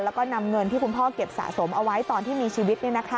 แล้วก็นำเงินที่คุณพ่อเก็บสะสมเอาไว้ตอนที่มีชีวิต